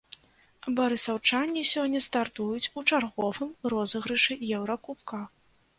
Барысаўчане сёння стартуюць у чарговым розыгрышы еўракубка.